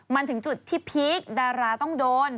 มันถึงจุดที่พีคดาราต้องโดน